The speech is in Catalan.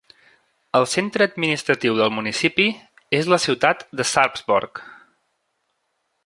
El centre administratiu del municipi és la ciutat de Sarpsborg.